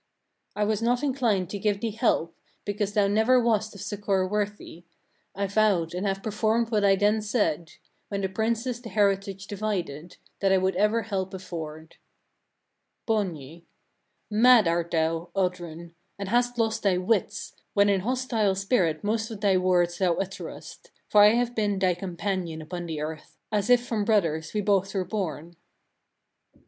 "I was not inclined to give thee help, because thou never wast of succour worthy: I vowed, and have performed what I then said when the princes the heritage divided, that I would ever help afford." Borgny. 12. Mad art thou, Oddrun! and hast lost thy wits, when in hostile spirit most of thy words thou utterest; for I have been thy companion upon the earth, as if from brothers we both were born.